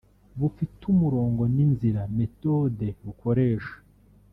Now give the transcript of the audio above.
bufite umurongo n’inzira (méthode) bukoresha